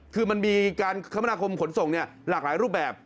คือมันมีการคมนาคมขนส่งหลากหลายรูปแบบ